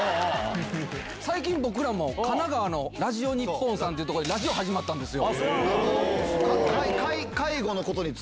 最近、僕らも神奈川のラジオ日本さんっていうところで、ラジオ始まったんですよ。